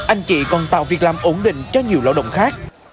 anh chị còn tạo việc làm ổn định cho nhiều lao động khác